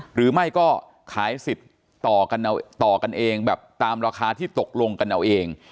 หรือไม่ก็ขายสิทธิ์ต่อกันต่อกันเองแบบตามราคาที่ตกลงกันเอาเอง